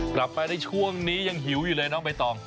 กลับไปในช่วงนี้ยังหิวอยู่เลยน้องใบตอง